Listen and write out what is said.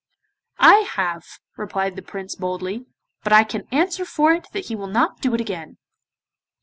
'I have,' replied Prince Vivien boldly, 'but I can answer for it that he will not do it again!